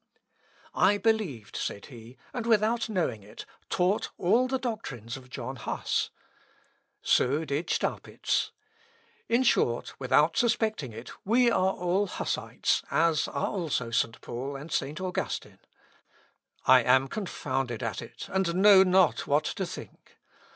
"I believed," said he, "and, without knowing it, taught all the doctrines of John Huss. So did Staupitz. In short, without suspecting it, we are all Hussites, as are also St. Paul and St. Augustine. I am confounded at it, and know not what to think....